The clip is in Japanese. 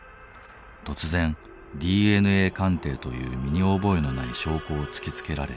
突然「ＤＮＡ鑑定」という身に覚えのない証拠を突きつけられ逮捕。